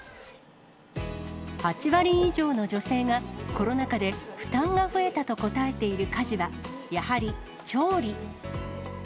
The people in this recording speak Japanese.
８割以上の女性が、コロナ禍で負担が増えたと答えている家事は、やはり調理。